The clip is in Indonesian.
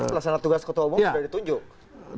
pelasaran tugas ketua umum sudah ditunjukkan